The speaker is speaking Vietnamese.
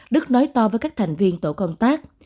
tổ công tác thành viên tổ công tác